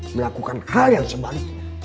melakukan hal yang sebaliknya